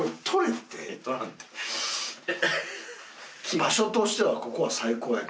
場所としてはここは最高やけど。